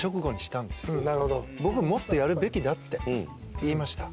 僕もっとやるべきだって言いました。